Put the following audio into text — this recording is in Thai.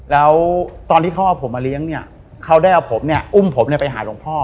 แล้วตอนที่เขาเอาผมมาเลี้ยงเนี่ยเขาได้เอาผมเนี่ยอุ้มผมเนี่ยไปหาหลวงพ่อ